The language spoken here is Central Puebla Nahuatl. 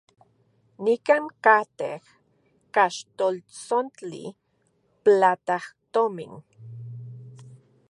Nikan katej kaxltoltsontli platajtomin.